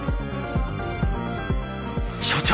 所長。